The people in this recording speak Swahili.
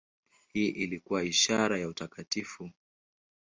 Hii ilikuwa ishara ya utakatifu.